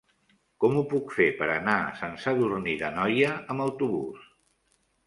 Com ho puc fer per anar a Sant Sadurní d'Anoia amb autobús?